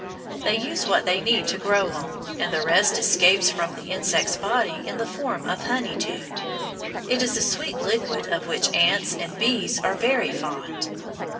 They use what they need to grow on, and the rest escapes from the insect's body in the form of "honey dew." It is a sweet liquid of which ants and bees are very fond.